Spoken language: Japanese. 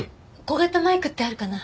小型マイクってあるかな？